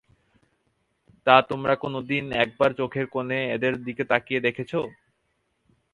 তা, তোমরা কোনোদিন একবার চোখের কোণে এদের দিকে তাকিয়ে দেখেছ?